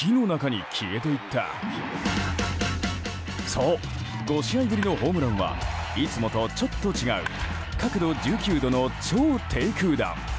そう、５試合ぶりのホームランはいつもとちょっと違う角度１９度の超低空弾。